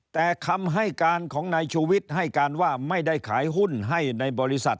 แต่คำให้การของนายชูวิทย์ให้การว่าไม่ได้ขายหุ้นให้ในบริษัท